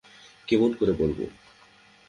কেমন করে বলব।